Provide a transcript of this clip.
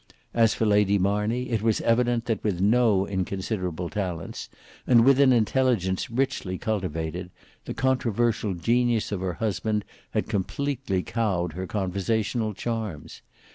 As for Lady Marney, it was evident that with no inconsiderable talents, and with an intelligence richly cultivated, the controversial genius of her husband had completely cowed her conversational charms.